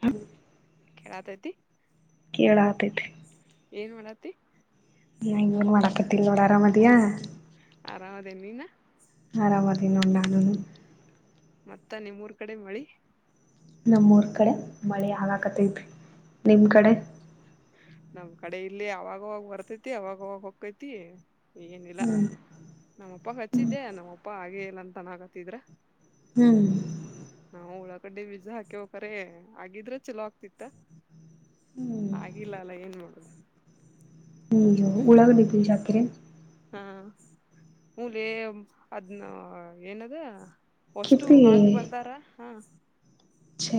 ಹು ಕೇಳತೈತಿ ಹೇಳಾತ್ತಾ ಇದ್ದೆ. [inaudible] ಏನ ಮಾಡತಿ? ನಾ ಏನು ಮಾಡಕತಿಲ್ ನೋಡು ಅರಾಮಾ ಅದಿಯಾ? [inaudible] ಆರಾಮದಿನ ನೀನ? [inaudible] ಅರಾಮದಿನ ನೋಡು ನಾನು. [inaudible] ಮತ್ತ ನಿಮ್ಮೂರ್ ಕಡಿ ಮಳಿ? ನಮ್ಮೂರ್ ಕಡೆ ಮಳೆ ಆಗ ಕತ್ತೈತಿ ನಿಮ್ಮ ಕಡೆ. [inaudible] ನಮ್ಮ ಕಡೆ ಇಲ್ಲಿ ಅವಾಗವಾಗ ಬರ್ತೈತಿ ಅವಾಗವಾಗ ಹೊಕ್ಕೈತಿ ಏನಿಲ್ಲ? ಹ್ಮ್ ನಮ್ಮ ಅಪ್ಪಗ ಹಚ್ಚಿದ್ದೆ ನಮ್ಮಪ್ಪ ಆಗೇ ಇಲ್ಲ ಅಂತ ಅನ್ನತಿದ್ರ. ಹೂ ಕಡಲ್ಲಿ ಬೀಜ ಹಕ್ಯವ್ ಕರೆ ಆಗಿದ್ರೆ ಚಲೋ ಆಗತ್ತಿತ್ತ. ಆಗಿಲ್ಲ ಅಲ್ಲ ಏನ್ ಮಾಡುದು. ಹೌದ ಉಳಾಗಡಿ ಬೀಜ ಹಾಕಿರೇನ್? [inaudible] ಹಾ ಹೂ ಲೇ ಅದನ್ನ ಏನದ? ವಷ್ಟು ಕಿತ್ತಿ ಹಾಕೀ ಬಂದಾರ ಹಾ ಛೆ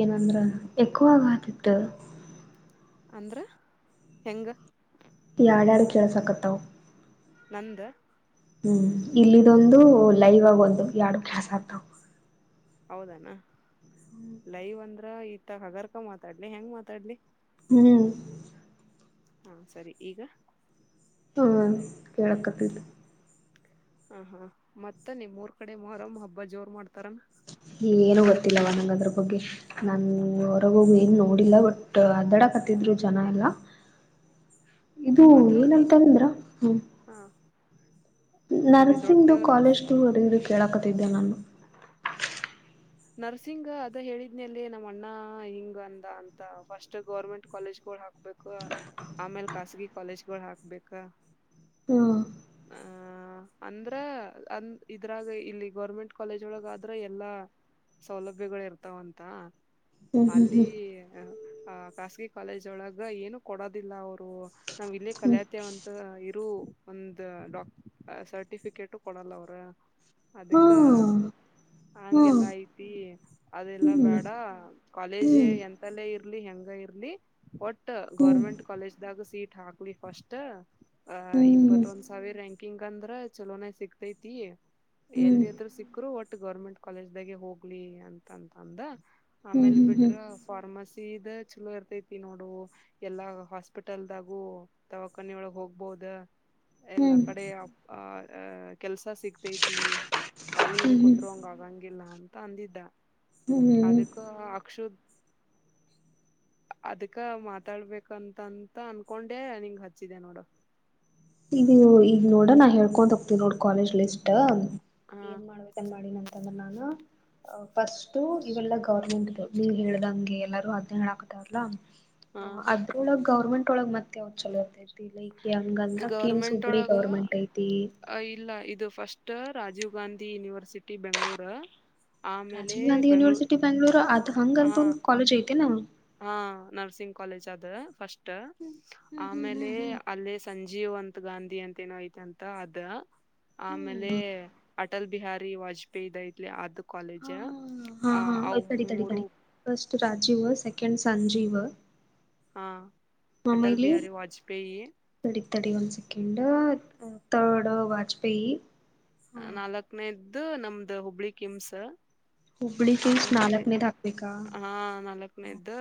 ಏನಂದ್ರ ಎಕೋ ಆಗತಿತ್ತ. ಅಂದ್ರ ಹೆಂಗ? ಯಾಡ್ಯಾಡ್ ಕೇಳಸಾಕ್ಕತ್ತವಾ? ನಂದ? ಹೂ ಇಲ್ಲಿದೊಂದು ಲೈವ್ ಆಗ ಒಂದು ಯಾಡ ಕ್ಲಾಸ್ ಅಕ್ಕವಾ? ಹೌದ ಅನ್ ಲೈವ್ ಅಂದ್ರ ಇತ್ತ ಹಗರ್ಕ ಮಾತಾಡ್ಲಿ ಹೆಂಗ್ ಮಾತಾಡ್ಲಿ. ಹೂ ಹಾ ಸರಿ ಈಗ. ಹಾ ಕೆಳಾಕತ್ತತಿ. ಹ ಹಾ ಮತ್ತ ನಿಮ್ಮ ಊರ್ ಕಡೆ ಮೊಹರಂ ಹಬ್ಬ ಜೋರ್ ಮಾಡ್ತಾರ ಅನ್? ಏನು ಗೊತ್ತಿಲ್ಲವ ನಂಗ ಅದರ್ ಬಗ್ಗೆ ನಾನ ಹೊರಗೋಗ ಏನು ನೋಡಿಲ್ಲ ವಟ್ಟ ಅದ್ಯಾಡಕ್ಕ. [inaudible] ಹತ್ತಿದ್ರು ಜನ ಎಲ್ಲಾ? [inaudible] ಇದು ಆದ್ರೂಲಿ ಏನಂತಂದ್ರ ಹ್ಮ. ಹಾ ನಮ್ಮಲ್ಲಿ ದೊಡ್ಡ ನರ್ಸಿಂಗ್ ದು ದೇವ್ರ ಕಾಲೇಜ್ದು ಹೊರಗಿಂದು ಕೇಳಕತಿದ್ದೆ ನಾನು. ನರ್ಸಿಂಗ್ ಅದ ಹೇಳಿದ್ನಲ್ಲೇ ನಮ್ಮಣ್ಣ ಹಿಂಗ್ ಅಂದ ಅಂತ ಫಸ್ಟ್ ಗೌರ್ಮೆಂಟ್ ಕಾಲೇಜ್ ಹಾಕ್ಬೇಕು ಆಮೇಲ್ ಖಾಸಗಿ ಕಾಲೇಜ್ಗಳು ಹಾಕ್ಬೇಕ. ಹ್ಮ್ ಆ ಅಂದ್ರ ಅಂದ ಇದ್ರಾಗ ಇಲ್ಲಿ ಗೌರ್ಮೆಂಟ್ ಕಾಲೇಜ್ ಒಳಗಾದ್ರ ಎಲ್ಲಾ. ಸೌಲಭ್ಯಗಳು ಇರ್ತಾವಂತ ಹ್ಮ್ ಅಲ್ಲಿ ಹ್ಮ್ ಆ ಖಾಸಗಿ ಕಾಲೇಜ್ ಒಳಗ ಏನು ಕೊಡೋದಿಲ್ಲ ಅವರು. ನಾವ್ ಇಲ್ಲಿ ಹ್ಮ್ ಹ್ಮ್ ಕಲ್ಯತೆವಂತ ಇರು. ಒಂದ ಡಾಕ್ ಸರ್ಟಿಫಿಕೇಟು ಕೊಡಲ್ಲ ಅವ್ರ. ಹಾ ಅದಕ್ಕ ಹಾ ಹಂಗೆಲ್ಲಾ ಐತಿ ಹ್ಮ್ ಅದೆಲ್ಲಾ ಹ್ಮ್ ಬೇಡ ಕಾಲೇಜ್ ಹ್ಮ್ ಎಂತಲ್ಲೇ ಇರ್ಲಿ ಹೆಂಗ ಇರ್ಲಿ ಒಟ್ಟ ಹ್ಮ್ ಗೌರ್ಮೆಂಟ್ ಕಾಲೇಜ ದಾಗ ಸೀಟ್ ಹಾಕ್. ನೀ ಫಸ್ಟ್. ಆ ಹ್ಮ್ ಹ್ಮ್ ಇಪ್ಪತ್ತ ಹ್ಮ್ ಒಂದ್ ಸಾವಿರ ರ್ಯಾನ್ಕಿಂಗ್ ಅಂದ್ರ ಚಲೋನ ಸಿಗ್ತೈತಿ. ಎಲ್ಲಿದ್ರು ಸಿಕ್ಕರು ಒಟ್ ಗೌರ್ಮೆಂಟ್ ಕಾಲೇಜ್ದಾಗೆ ಹೋಗಿ. ಅಂತಂತಂದ ಆಮೇಲ್ ಹ್ಮ್ ಹ್ಮ್ ಬಿಟ್ರ ಹ್ಮ್ ಫಾರ್ಮಸ್ ಇದ ಚಲೋ ಇರ್ತೈತಿ ನೋಡು ಎಲ್ಲಾ ಹಾಸ್ಪಿಟಲ್ದಾಗು ದವಾಕಾನೆ ಒಳಗೆ ಹೋಗಬೊದು. ದ ಎಲ್ಲಾ ಕಡೆ ಆ ಕೆಲ್ಸ ಸಿಗ್ತೈತಿ. ಖಾಲಿ ಏನ್ ಕುಂದ್ರು ಹಂಗಾಗಂಗಿಲ್ಲ ಅಂತ. ತ ಅಂದಿದ್ದ ಹ್ಮ್ ಹ್ಮ್ ಹ್ಮ್ ಅದಕ್ಕ ಅಕ್ಷುತ್ ಅದಕ್ಕ ಮಾತಾಡ್ಬೇಕಂತಂತ ಅನ್ಕೊಂಡೆ ನಿಂಗ್ ಹಚ್ಚಿದೆ ನೋಡು. ಇದು ಈಗ ನೋಡ ನಾ ಹೇಳ್ಕೊಂಡ್ ಹೋಗ್ತೀವಿ ನೋಡ ಕಾಲೇಜ್ ಲಿಷ್ಟ. ಹಾ ಏನ್ ಮಾಡ್ಬೇಕನ್ ಮಾಡಿನ ಅಂತಂದ್ರ ನಾನು. ಅ ಫಸ್ಟು ಇವೆಲ್ಲಾ ಗೌರ್ಮೆಂಟ್ದು ನೀವ್ ಹೇಳ್ದಂಗೆ ಎಲ್ಲಾರೂ ಅದ್ನೇ ಹೇಳಾಕ್ತಾರಲ್ಲ. ಹಾ ಅದ್ರೊಳಗ್ ಗೌರ್ಮೆಂಟ್ ಒಳಗ್ ಮತ್ತತ್ ಯಾವ್ದ್ ಚಲೋ ಇರ್ತೈತಿ ಲೈಕ್ ಹೆಂಗಂದ್ರ ಗೌರ್ಮೆಂಟ್ ಒಳಗ ಇಲ್ಲ ಇದು first Rajiv Gandhi university Bengaluru. Rajiv Gandhi university Bengaluru ಅದ ಹಂಗ ಹಾ ಅಂತ ಒಂದು ಕಾಲೇಜ್ ಐತೇನು? ಹಾ ನರ್ಸಿಂಗ್ ಕಾಲೇಜ್ ಅದ ಫಸ್ಟು ಆಮೇಲೆ ಅಲ್ಲೇ ಸಂಜೆ ಜೀವಂತ್ ಗಾಂಧಿ ಅಂತ ಏನೋ ಐತಂತ ಅದ ಆಮೇಲೆ ಅಟಲ್ ಬಿಹಾರಿ ವಾಜಪೇಯಿ ಐದ ಇಲ್ಲಿ ಆದ ಕಾಲೇಜ್ ಹಾ ಅ ಅವ್ ಮೂರು ಟ್ ರಾಜೀವ್ ಸೆಕೆಂಡ್ ಸಂಜೀವ್ ಹಾ ಅಟಲ್ ಆಮೇಲಿ ಬಿಹಾರಿ ವಾಜಪೇಯಿ. ತಡಿ ತಡಿ ಒನ್ ಸೆಕೆಂಡ್ ತರ್ಡ್ ವಾಜಪೇಯಿ. ನಾಲ್ಕನೇದು ನಮ್ದು ಹುಬ್ಬಳಿ ಕಿಮ್ಸ್. ಹುಬ್ಬಳಿ ಕಿಂಗ್ಸ್ ಆಮೇಲೆ ನಾಲ್ಕನೇದು ಹಾಕ್ಬೇಕಾ ಹಾ ನಾಲ್ಕನೇದು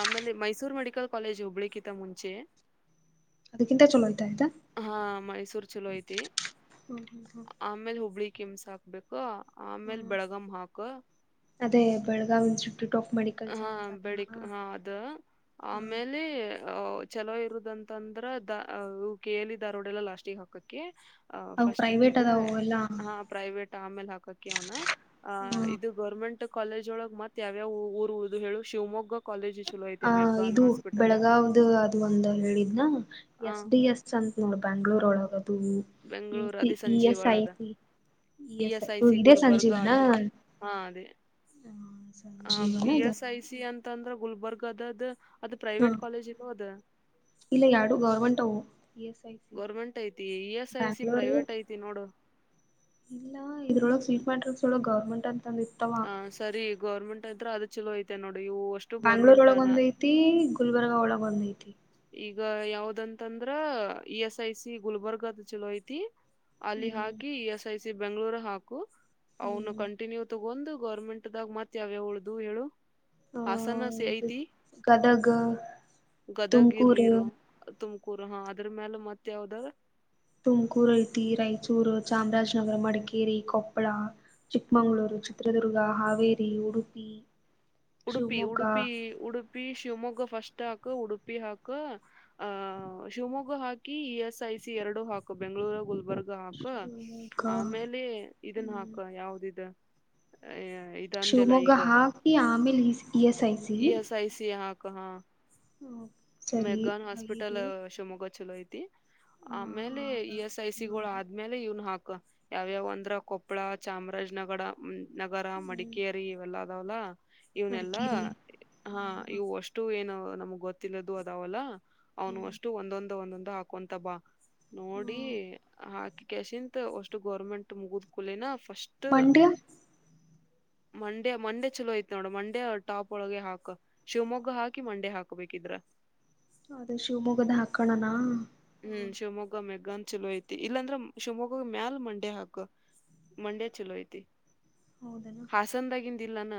ಆಮೇಲೆ ಮೈಸೂರ್ ಮೆಡಿಕಲ್ ಕಾಲೇಜು ಹುಬ್ಬಳಿಕಿತ ಮುಂಚೆ. ಅದ್ಕಿಂತ ಚಲೋ ಐತಾ ಇದು? ಹಾ ಮೈಸೂರ್ ಚೂಲೋ ಐತಿ. ಹ್ಮ ಹ್ಮ ಹ್ಮ ಕಿಮ್ಸ ಹಾಕ್ಬೇಕು ಆಮೇಲ್ ಹ್ಮ್ ಬೆಳ್ಗಾಂ ಹಾಕು. ಅದೇ ಬೆಳಗಾವ್ ಆಫ್ ಮೆಡಿಕಲ್ ಹಾ ಸೈನ್ಸ್ ಅದ ಬೆಳಕ್ ಹಾ ಅದ ಆಮೇಲೆ ಚಲೋ ಇರುದಂತಂದ್ರ ದ ಅ ಕಲಿ ದಾರೊಡೆಲ್ಲ ಲಾಸ್ಟಿಗೆ ಹಾಕ್ಕಕ್ಕೆ. ಅವು ಪ್ರೈವೇಟ್ ಅದಾವ್ ಎಲ್ಲಾ. ಹಾ ಪ್ರೈವೇಟ್ ಆಮೇಲೆ ಹಾಕಕ್ಕೆ ಅವನ ಆ ಇದು ಗೌರ್ಮೆಂಟ್ ಟ್ಟು ಕಾಲೇಜ್ ಒಳಗೆ ಮತ್ತೆ ಯಾವ್ಯಾವ ಊರುದು ಹೇಳು ಶಿವಮೊಗ್ಗ ಕಾಲೇಜು ಆ ಇದು ಬೆಳಗಾವ್ದ ಅದು ಒಂದು ಹೇಳಿದ್ನ. ಆ ಎಸ್ ಡಿ ಎಸ್ ಅಂತ್ ನೋಡ್ ಬ್ಯಾಂಗ್ಳೂರ್ ಒಳಗ್. ಬೆಂಗಳೂರು ಅದ ಸಂಜೀ ಐ ಒಳಗ C E S I I C ಇದೇ ಗುಲ್ಬರ್ಗ ಸಂಜೀವನ ಆದ ಹಾ ಅದೇ ಹಾ ಸಂಜೀವನ ಇ ಇದು ಎಸ್ ಐ ಸಿ ಅಂತ ಅಂದ್ರ ಗುಲ್ಬರ್ಗ್ ಅದ್ ಅದ ಪ್ರೈವೇಟ್ ಹ್ಮ್ ಕಾಲೇಜ್ ಗೂ ಅದ ಇಲ್ಲ ಎರಡು ಗೌರ್ಮೆಂಟ್ವು ಗೌರ್ಮೆಂಟ್ ಐತಿ E S I C Bangalore private ಐತಿ ನೋಡು ಇಲ್ಲ ಇದ್ರೊಳಗ್ ಸಿಟ್ ಮ್ಯಾಟರಸ ವೋಲಗ ಗೌರ್ಮೆಂಟ್ ಅಂತ ಹ ಸರಿ ಗೌರ್ಮೆಂಟ್ ಇದ್ರ ಅದ ಚಲೋ ಐತೆನ ನೋಡ ಬ್ಯಾಂಗ್ಳೂರ್ ಒಳಗ ಒಂದ್ ಐತಿ ಗುಲ್ಬರ್ಗಾ ಒಳಗ ಒಂದ್ ಐತಿ ಈಗ ಯಾವ್ದಂತಂದ್ರ E S I C Gulbarga ಅದ ಚಲೋ ಐತಿ ಅಲ್ಲಿ ಹ್ಮ್ ಹಾಕಿ E S I C Bengaluru ಹಾಕು ಅವನು ಹ್ಮ್ ಕಂಟಿನ್ಯೂ ತಗೊಂಡು ಗೌರ್ಮೆಂಟ್ದಾಗ ಮತ್ ಯಾವ್ಯಾವ ಉಳ್ದು ಹೇಳು ಹ ಹಾಸನ ಐತಿ ಗದಗ ತುಮ ಗದಗ ಇರ್ಲಿರು ತುಮಕೂರು ಹಾ ಅದ್ರ ಮ್ಯಾಲ ಮತ್ತ ಯಾವ್ದ ತುಮಕೂರು ಐತಿ ರಾಯಚೂರು ಚಾಮರಾಜನಗರ ಮಡಿಕೇರಿ ಕೊಪ್ಪಳ ಚಿಕ್ಕಮಂಗಳೂರು ಚಿತ್ರದುರ್ಗ ಹಾವೇರಿ ಉಡುಪಿ ಉಡುಪಿ ಶಿವಮೊಗ್ಗ ಉಡುಪಿ ಉಡುಪಿ ಶಿವಮೊಗ್ಗ ಫಸ್ಟ್ ಹಾಕು ಉಡುಪಿ ಹಾಕು ಆ ಶಿವಮೊಗ್ಗ ಹಾಕಿ ಇ ಎಸ್ ಐ ಸಿ ಎರಡು ಹಾಕು ಬೆಂಗ ಳೂರು ಗುಲ್ಬರ್ಗ ಹಾಕ ಶಿವಮೊಗ್ಗ ಆಮೇಲೆ ಇದನ್ನ ಹ್ಮ್ ಹಾಕ ಯಾವ್ದಿದ ಏ ಶಿವಮೊಗ್ಗ ಹಾಕಿ ಆಮೇಲೆ E S I C E S ಹಾ ಹ್ಮ ಸರಿ ಮೆಗ್ಗಾನ್ ಐದು ಹಾಸ್ಪಿಟಲ್ ಶಿವಮೊಗ್ಗ ಚಲೋ ಐತಿ ಆ ಆಮೇಲೆ ಇ ಎಸ್ ಐ ಸಿ ಆರು ಗಳು ಏಳು ಆದ್ಮೇಲೆ ಇವ್ನ್ ಹಾಕ ಯಾವ್ಯಾವ ಅಂದ್ರ ಕೊಪ್ಪಳ ಚಾಮರಾಜನಗರ ನಗರ ಮಡಿಕೇರಿ ಇವೆಲ್ಲ ಅದಾವಲ್ಲಾ ಇವನೆಲ್ಲಾ ಮಡಿಕೇರಿ ಹಾ ಹ ಇವು ಅಷ್ಟು ಏನು ನಮ್ಗ್ ಗೊತ್ತಿಲ್ಲದು ಅದಾವಲ್ಲ ಹ್ಮ ಅವನು ಅಷ್ಟು ಒಂದೊಂದು ಒಂದೊಂದು ಹಾಕೊಂತ ಬಾ ನೋಡಿ ಹ್ಮ್ ಹಾಕ ಕೆಸಿಂತ ಅಷ್ಟು ಗೌರ್ಮೆಂಟ್ ಮುಗುದಕುಳೇನ ಫಸ್ಟ್ ಮಂಡ್ಯ ಮಂಡ್ಯ ಮಂಡ್ಯ ಚಲೋ ಐತಿ ನೋಡ ಮಂಡ್ಯ ಟಾಪ್ ಒಳಗೆ ಹಾಕ ಶಿವಮೊಗ್ಗ ಹಾಕಿ ಮಂಡ್ಯ ಹಾಕ್ಬೇಕು ಹಾಕಿದ್ರಾ ಅದ ಶಿವಮೊಗ್ಗದ ಹಾಕ್ಕಣನಾ ಹ್ಮ್ ಶಿವಮೊಗ್ಗಮ್ ಗಂದ್ ಚಲೋ ಐತಿ ಇಲ್ಲಾಂದ್ರೆ ಶಿವಮೊಗ್ಗದ ಮ್ಯಾಲ ಮಂಡೆ ಹಾಕ ಮಂಡ್ಯ ಚಲೋ ಐತಿ ಹೌದನಾ ಹಾಸನದಾಗಿದ್ದ ಇಲ್ಲ ಏನ್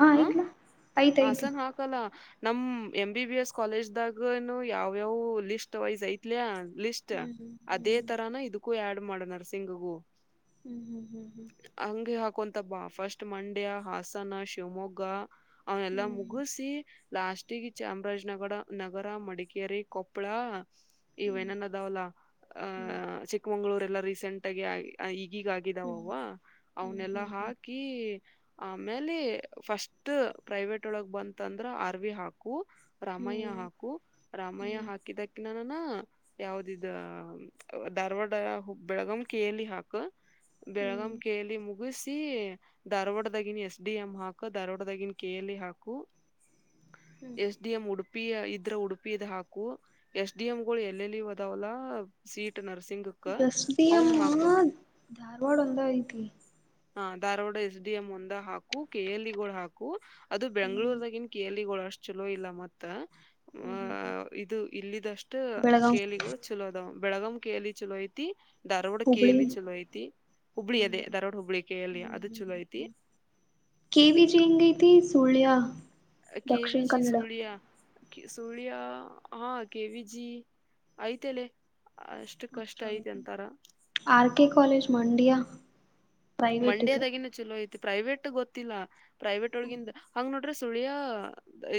ಹಾ ಆ ಐತಿ ಲಾ ಐತಿ ಐತಿ ನಮ M B B S college ದಾಗನು ಯಾವ್ಯಾವ ಲಿಸ್ಟ್ ವೈಸ್ ಐತ್ಲಯ ಲಿಸ್ಟ್ ಹ್ಮ್ ಹ್ಮ್ ಅದೇ ಹ್ಮ್ ತರಾನ ಇದಕ್ಕೂ ಆಡ್ ಮಾಡ ನರಸಿಂಗಗೂ ಹ್ಮ್ ಹ್ಮ್ ಹ್ಮ್ ಹ್ಮ್ ಹಾಕ್ಕೊಂತ ಬಾ ಫಸ್ಟ್ ಮಂಡ್ಯ ಹಾಸನ ಶಿವಮೊಗ್ಗ ಅವನೆಲ್ಲಾ ಹ್ಮ್ ಹ್ಮ್ ಹ್ಮ್ ಹ್ಮ್ ಹ್ಮ್ ಹ್ಮ್ ಹ್ಮ್ ಮುಗಿಸಿ ಲಾಸ್ಟಗ ಚಾಮರಾಜನಗರ ನಗರ ಮಡಿಕೇರಿ ಕೊಪ್ಪಳ ಇವ ಏನನ ಅದಾವಲ್ಲ ಅಹ ಚಿಕ್ಕಮಂಗ್ಗಳೂರೆಲ್ಲಾ ರೀಸೆಂಟ್ ಆಗಿ ಈ ಈಗ ಆಗಿದಾವ್ವ ಅವನೆಲ್ಲ ಹ್ಮ್ ಹಾಕಿ ಆಮೇಲೆ ಫಸ್ಟ್ ಪ್ರೈವೇಟ್ ಒಳಗ್ ಬಂತಂದ್ರ ಆರ್ವಿ ಹಾಕು ರಾಮಯ್ಯ ಹಾಕು ರಾಮಯ್ಯ ಹ್ಮ್ ಹಾಕಿದಕ್ಕೆ ನ ಯಾವ್ದಿದ Dharwad ಹುಬ್ Belgaum K L E ಹಾಕ ಬೆಳಗಾಂ ಕೆ ಹ್ಮ್ ಎಲ್ ಈ ಮುಗಿಸಿ ಧಾರ್ವಾಡದಾಗಿನ್ ಎಸ್ ಡಿ ಎಂ ಹಾಕ ಧಾರವಾಡದಾಗಿನ ಕೆ ಎಲ್ ಈ ಹಾಕು ಹ್ಮ್ ಎಸ್ಡಿಎಂ ಉಡು ಪಿ ಇದ್ರ ಉಡುಪಿ ಹಾಕು ಎಸ್ ಡಿ ಎಂ ಗಳು ಎಲ್ಲೆಲ್ಲಿ ಅದಾವಲ್ಲ ಸೀಟ್ ನರ್ಸಿಂಗಕ್ಕ ಎಸ್ ಡಿ ಎಂ ಅವನ್ ಹಾಕ ಧಾರವಾಡ ಒಂದ ಐತಿ ಹ ಧಾರವಾಡ ಎಸ್ ಡಿ ಎಂ ಒಂದ ಹಾಕು ಕೆ ಎಲ್ ಈ ಗೋಳ ಹಾಕು ಅದು ಹ್ಮ್ ಬೆಂಗಳೂರ್ದಾಗಿನ್ ಕೆ ಎಲ್ ಈ ಗೋಳ ಅಷ್ಟ್ ಚಲೋ ಇಲ್ಲ ಮತ್ತ ಅ ಹ್ಮ್ ಹ್ಮ್ ಹ್ಮ್ ಇದು ಇಲ್ಲಿದಷ್ಟು ಬೆಳಗಾವ್ ಕೇಲಿಗಳು ಚಲೋದಾವ ಬೆಳಗವಿ ಕೇಳಲಿ ಚಲೋಯ್ತಿ ಧಾರವಾಡ ಹುಬ್ಳಿ ಕೇಳಲಿ ಚಲೋಯತಿ ಹುಬ್ಳಿ ಅದೇ ಧಾರವಾಡ ಹುಬ್ಬಳಿ ಕೇ ವಿಜಯಂಗೈತೆ ಸುಳ್ಳಯಾ ಕೆ ವಿಜಿ ಸೋಳಿಯಾ ಸುಳ್ಯ ಹಾ ಕೆವಿಜಿ ಆಐ್ತಲೆ ಆರ್ ಕೆ ಕಾಲೇಜ್ ಮಂಡೇ ಮಂಡೇದಾಗಿನ ಚಲೋ ಐತಿ ಪ್ರೈವೇಟ್ ಗೊತ್ತಿಲ್ಲ ಪ್ರೈವೇಟ್ ಹ್ಮ್ ಒಳಗಂಗ ನೋ ಅಂದ್ರೆ ಸುಳಿಯ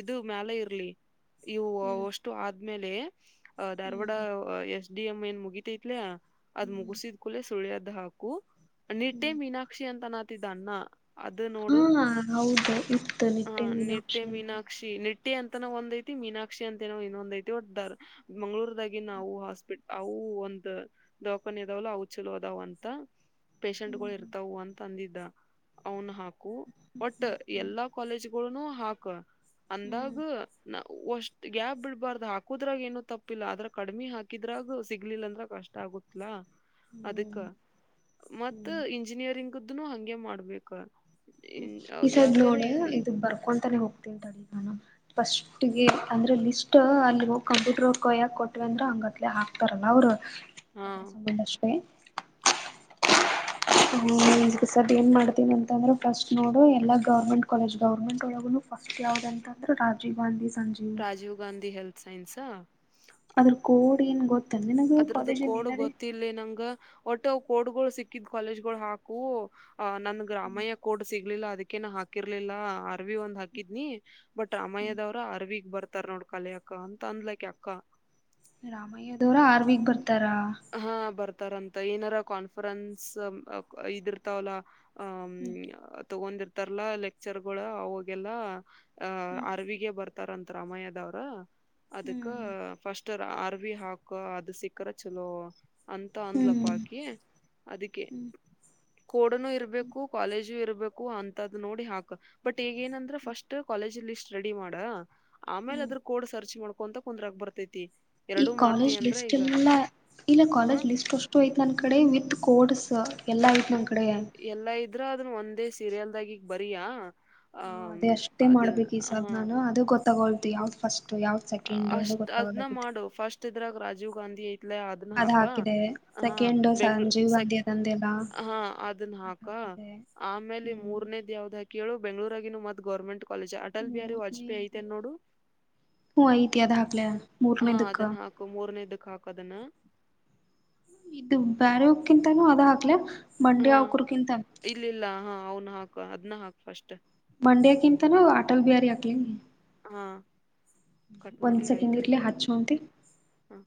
ಇದು ಮ್ಯಾಲ ಇರ್ಲಿ ಇವು ಹ್ಮ್ ಅಷ್ಟು ಆದ್ಮೇಲೆ ಅ ಧಾರವಾಡ ಹ್ಮ್ ಎಸ್ ಡಿ ಎಂ ಏನ್ ಮುಗಿತೈತ್ಲ ಅದ್ ಹ್ಮ್ ಮುಗಸಿದ್ ಕೂಲೆ ಸುಳ್ಯದ ಹಾಕು ತ್ತ ಹ್ಮ್ ಮೀನಾಕ್ಷಿ ಅಂತ ನಾತಿದ್ದನ್ನ ಹಾ ಹೌದ ಇತ ನಿಟ್ಟೆ ಮೀನಾಕ್ಷ ಅ ಟ್ಟೆ ಅಂತನ ಒಂದ್ಐತಿ ಮೀನಾಕ್ಷಿ ಅಂತ ಎನ್ನೋ ದ ಐತಿ ಒಟ್ಟ ಮಂಗಗಳೂರ್ದಾಗಿ ನಾವು ಹಾಸ್ಪಿಟ್ ಅವು ವು ಒಂದ್ ದವಾಖಾನೆ ಇದದಾವಲ್ಲ ಅವು ಚಲೋ ಅದಾವ ಅಂತ ಹ್ಮ್ ಹ್ಮ್ ಇರ್ತ ಅಂತ ಅಂದಿದ್ದ ಅವನು ಹಾಕು ಬಟ್ ಹ್ಮ್ ಎಲ್ಲಾ ಕಾಲೇಜ್ಗಳು ಹಾಕು ಹ್ಮ್ ಅಂದಾಗ ಹ್ಮ್ ನ ವಷ್ಟ್ ಗ್ಯಾಪ್ ಬಿಡ್ಬಾರ್ದ ಹಾಕುದ್ರಾಗ ಏನು ತಪ್ಪಿಲ್ಲ ಆದದ್ರ ಕಡಿಮೆ ಹಾಕಿದ್ರಾಗ ಸಿಗ್ಲಿಲ್ಲ ಅಂದ್ರ ಕಷ್ಟ ಆಗ್ ಗೊತ್ತಲಾ [unintelligible] ಅದಕ್ಕ ಹ್ಮ್ ಮತ್ತ ಹ್ಮ್ ಇಂಜಿನಿಯರಿಂಗ್ದನು ಹಂಗೆ ಮಾಡ್ಬೇಕ ಹ್ಮ ಈ ಸದ್ದ ಎಲ್ಲಾರ ನೋಡ ಇರ್ಲಿ ಇದು ಬರ್ಕೊಂತಾನೆ ಹೋಗ್ತೇಂತಡ ಫಸ್ಟ್ಗೆ ಅಂದ್ರೆ ಲಿಸ್ಟ್ ಅಲ್ಲಿ ಹೋಗಿ ಕಂಪ್ಯೂಟರ್ ಹೋಗ ಯಾಕೆ ಕೊಟ್ಟವಿ ಅಂದ್ರ ಹಂಗತ್ಲೆ ಹಾಕ್ತಾರಲ್ಲ ಅವ್ರು ಹಾ ಅದರ ಸಂಬಂಧ ಅಷ್ಟೇ ಹಸರ್ ಏನ್ ಮಾಡ್ತೀನಿ ಅಂತಂದ್ರೆ ಫಸ್ಟ್ ನೋಡು ಎಲ್ಲಾ ಗೌರ್ಮೆಂಟ್ ಕಾಲೇಜ್ ಗೌರ್ಮೆಂಟ್ ಒಳಗ ಫಸ್ಟ್ ಯಾವ್ದ್ ಅಂತಂದ್ರೆ ರಾಜೀವ್ ಗಾಂಧಿ ಸಂಜೀವ್ ರಾಜೀವ್ ಗಾಂಧಿ ಹೆಲ್ತ್ ಸೈನ್ಸಾ ಅದ್ರ ಕೋಡ್ ಏನ್ ಗೊತ್ತನ್ ನಿನಗ ಅದ್ರದ್ದ ಕಾಲೇಜಲ್ಲಿ ಕೋಡು ಏನಾರ ಗೊತ್ತಿಲ್ಲ ನಂಗಂಗ ಒಟ್ಟು ಕೋಡ್ಗಳು ಸಿಕ್ಕಿದ್ ಕಾಲೇಜ್ ಗಳು ಹಾಕು ಅ ನನ್ಗೆ ಹ್ಮ್ ರಾಮಯ್ಯ ಕೋಡ್ ಸಿಗ್ಲಿಲ್ಲ ಅದಕ್ಕೆ ಕನ ಹಾಕಿರ್ಲಿಲ್ಲ ಅರ್ವಿ ಒಂದ್ ಹಾಕಿದ್ನಿ ಬಟ್ ಹ್ಮ್ ರಾಮಯ್ಯದವರ ಅರ್ವಿಗ್ ಬರ್ತ ಇತರ ನೋಡ್ ಕಲೆ ಅಕ್ಕ ಅಂತ ಅಂದ್ಲ ಅಕಿ ಅಕ್ಕ ರಾಮಯ್ಯದವರ ಆರ್ಮಿಗಿ ಬರ್ತಾರೆ ಹಾ ಬರ್ತಾರಂತ ಏನಾರ ಕಾನ್ಫರೆನ್ಸ್ ಇದಿರ್ತಾವಲ್ಲ ಹ್ಮ್ ಹ್ ತಗೊಂಡಿರ್ತಾರಲ್ಲ ಲೆಕ್ಚರ್ ಗಳು ಅವಾಗೆಲ್ಲ ಅಹ ಹ್ಮ್ ಅರವಿಗೆ ಬರ್ತಾರಂತ ರಾಮಯ್ಯದವ್ರ ಅದಕ್ಕ ಹ್ಮ್ ಫಸ್ಟ್ ಅರ್ವಿ ಹಾಕ ಅದು ಸಿಕ್ಕರ ಚಲೋ ಅಂತ ಆನ್ಲ ಹ್ಮ್ ಪಾಕಿ ಅದಕ್ಕೆ ಹ್ಮ್ ಕೋ ಡನು ಇರಬೇಕು ಕಾಲೇಜು ಇರು ಅಂತ ನೋಡಿ ಹಾಕ ಬಟ್ ಈಗ ಏನಂದ್ರ ಫಸ್ಟ್ ಕಾಲೇಜ್ಲ್ಲಿ ಸ್ಟಡಿ ಮಾಡ ಆಮೇಲೆ ಹ್ಮ್ ಅದ್ರ ಕೋಡ್ ಸರ್ಚ್ ಮಾಡ್ಕೊಂತ ಕುಂದ್ರಾಗ ಬರ್ತೈತಿ ಈ ಎರಡುೂ ಮಾಡ್ತಿ ಕಾಲೇಜ್ ಅಂದ್ರ ಲಿಸ್ಟ್ ಈಗ ಎಲ್ಲ ಇಲ್ಲ ಹ ಕಾಲೇಜ್ ಲಿಸ್ಟ್ ಅಷ್ಟು ಐತ ನನ್ ಕಡೆ ವಿತ್ ಕೋಡ್ಸ್ ಎಲ್ಲ ಆಐ್ತ ನಮ್ಮ್ ಕಡೆ ಸೀರೆಲ್ದಾಗಿಗ್ ಬಾರಿಯ ಹ ಅದೇ ಅಷ್ಟೇ ಮಾಡ್ಬೇಕು ಈ ಸದ್ದ ಹ ನಾನು ಅದು ಗೊತ್ತಾಗೋಲ್ದು ಯಾವ್ದ್ ಫಸ್ಟ್ ಯಾವ್ ಸೆಕೆಂಡ್ ಅದು ಗೊತ್ತಾಗೋದತ್ತು ರಾಜೀವ ಗಾಧಿ ಅದನ್ನ ಹಾಕ ಹಾಕಿದೆ ಹ ಸೆಕೆಂಡ್ ಬೆಂಗಳು ಸಂಜೀವ್ ಸ ಗಾಂಧಿ ಹಾ ಅದನ್ನ ಹಾಕ ಅ [unintelligible] ಆಮೇಲೆ ಮೂರ್ನೇದ್ ಯಾವ್ದ್ ಹಾ ಕೇಳು ಬೆಂಗ ಳೂರಗನು ಮತ್ ಗರ್ಮೆಂಟ್ ಕಾಲೇಜ್ ಅಟಲ್ ಬಿಹಾರಿ ವಾಜಪೇಯಿ ಐತೆೇನ್ ನೋಡು ಹ ಐತ ದ ಹಾಕ್ಲ ಮೂರನೇದಕ ಇದುಕ ಹಾಕೋದನ್ನ ಬ್ಯಾರವಕ್ಕಿಂತಾನೂ ಅದ ಹಾಕ್ಲ ಮಂಡಿ ಹಾ ಅವಕರ್ಗಿಂತಾನ ಇಲ್ಲಿಲ್ಲ ಹಾ ಅವ್ನ್ ಹಾಕ ಅದ್ ಹಾಕ್ ಫಸ್ಟ್ ಮಂಡಕ್ಕಿಂತ ನ ಅಟಲ್ ಬಿಹಾರಿ ಅಗ್ಲಿ ಹಾ ಕಟ್ ಒನ್ ಮಾಡ್ಲಿ ಸೆಕೆಂಡ ಆಯ್ತ ಇರ್ಲಿ ಅಚ್ಚುವಂತೆ ಹಾ